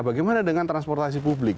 bagaimana dengan transportasi publik